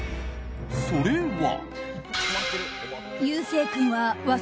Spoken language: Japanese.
それは。